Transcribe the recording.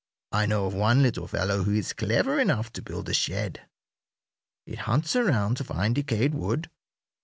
I know of one little fellow who is clever enough to build a shed. It hunts around to find decayed wood.